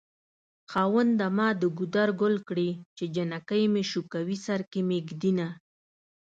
خاونده ما دګودر ګل کړی چې جنکي مې شوکوی سرکې مې ږد ينه